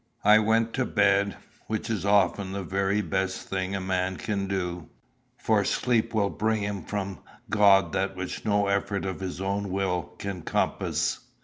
I went to bed, which is often the very best thing a man can do; for sleep will bring him from God that which no effort of his own will can compass.